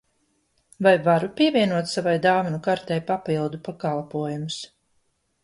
Vai varu pievienot savai dāvanu kartei papildu pakalpojumus?